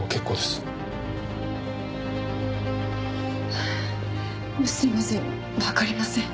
すいません。